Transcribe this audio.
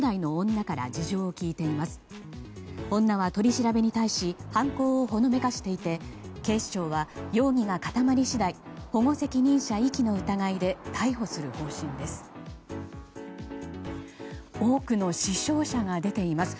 女は取り調べに対し犯行をほのめかしていて警視庁は容疑が固まり次第保護責任者遺棄の疑いで逮捕する方針です。